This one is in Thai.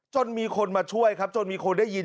จนมีคนมาช่วยครับจนมีคนได้ยิน